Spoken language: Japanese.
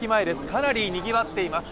かなりにぎわっています。